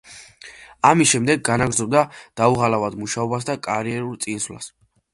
ამის შემდეგ განაგრძობდა დაუღალავად მუშაობას და კარიერულ წინსვლას.